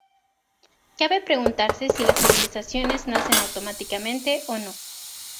Cabe preguntarse si las civilizaciones nacen automáticamente o no.